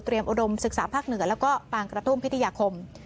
เตรียมโอนดมศึกษาภาคเหนือแล้วก็ปางกะทุ่มพิธยาคม